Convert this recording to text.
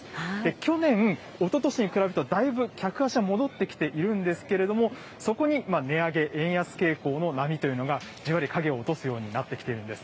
去年、おととしに比べると、だいぶ客足は戻ってきてはいるんですけれども、そこに値上げ、円安傾向の波というのが、じわり影を落とすようになってきているんです。